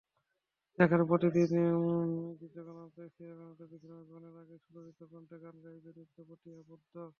যেখানে প্রতিদিন শ্রীজগন্নাথের বিশ্রাম গ্রহণের আগে সুললিত কণ্ঠে গান গাইবে নৃত্যপটীয়সী পদ্মা।